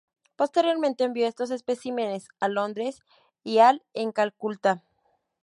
Posteriormente envió estos especímenes a Londres y al en Calcutta.